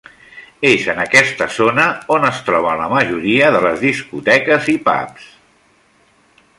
És en aquesta zona on es troben la majoria de les discoteques i pubs.